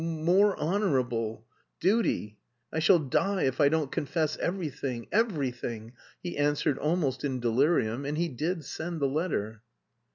more honourable... duty... I shall die if I don't confess everything, everything!" he answered almost in delirium, and he did send the letter.